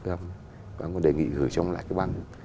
ông ấy đề nghị gửi cho ông lại cái băng